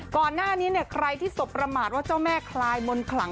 ก่อนหน้านี้เนี่ยใครที่สบประมาทว่าเจ้าแม่คลายมนต์ขลัง